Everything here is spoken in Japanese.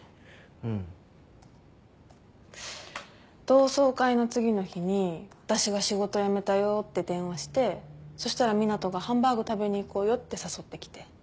同窓会の次の日に私が仕事辞めたよって電話してそしたら湊斗がハンバーグ食べに行こうよって誘ってきて。